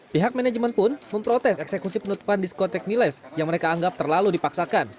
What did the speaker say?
pihak manajemen pun memprotes eksekusi penutupan diskotek miles yang mereka anggap terlalu dipaksakan